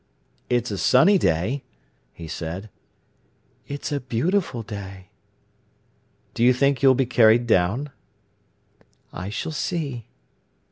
"It's a sunny day," he said. "It's a beautiful day." "Do you think you'll be carried down?" "I shall see."